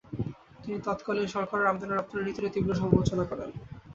তিনি তৎকালীন সরকারের আমদানি-রপ্তানি নীতিরও তীব্র সমালোচনা করেন ।